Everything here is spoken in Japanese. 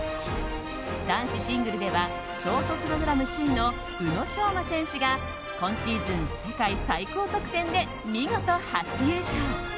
男子シングルではショートプログラム首位の宇野昌磨選手が今シーズン世界最高得点で見事初優勝。